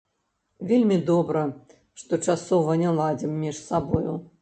Вельмі добра, што часова не ладзім між сабою.